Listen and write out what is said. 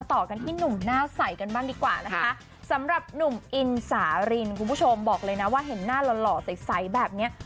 ต่อกันที่หนุ่มหน้าใสกันบ้างดีกว่านะคะสำหรับหนุ่มอินสารินคุณผู้ชมบอกเลยนะว่าเห็นหน้าหล่อหล่อใสแบบเนี้ย